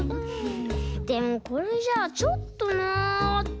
でもこれじゃちょっとなって。